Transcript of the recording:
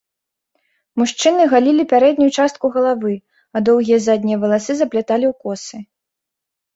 Мужчыны галілі пярэднюю частку галавы, а доўгія заднія валасы запляталі ў косы.